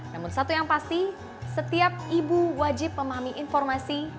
namun satu yang pasti setiap ibu wajib memahami informasi